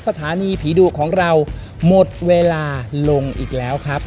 สถานีผีดุของเราหมดเวลาลงอีกแล้วครับ